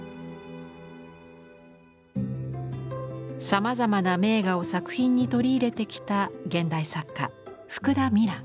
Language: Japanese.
さまざまな名画を作品に取り入れてきた現代作家福田美蘭。